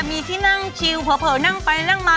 มีที่นั่งชิวเผลอนั่งไปนั่งมา